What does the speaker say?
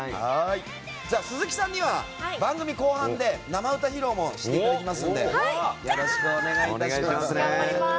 鈴木さんには、番組後半で生歌披露もしていただきますのでよろしくお願いいたします。